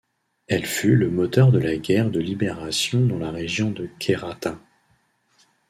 Elle fut le moteur de la guerre de libération dans la région de Kherrata.